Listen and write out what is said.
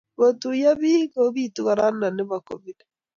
ngotuiyi biik kobiitu korotnoto nebo covid